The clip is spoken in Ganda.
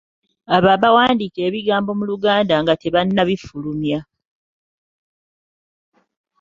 Abo abawandiika ebirango mu Luganda nga tebannabifulumya.